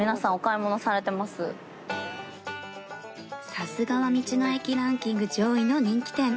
さすがは道の駅ランキング上位の人気店